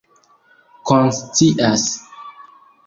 konscias